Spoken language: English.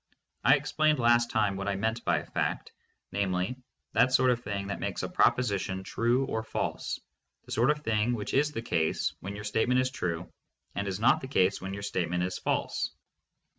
I explained last time what I meant by a fact, namely, that sort of thing that makes a proposition true or false, the sort of thing which is the case when your statement is true and is not the case when your statement is false.